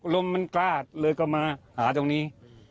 ลมมันกล้าเลยก็มาหาตรงนี้